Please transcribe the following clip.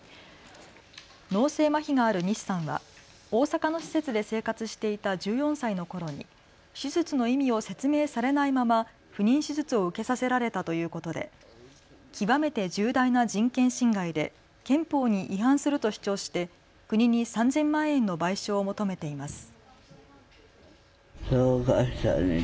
脳性まひがある西さんは大阪の施設で生活していた１４歳のころに手術の意味を説明されないまま不妊手術を受けさせられたということで極めて重大な人権侵害で憲法に違反すると主張して国に３０００万円の賠償を求めています。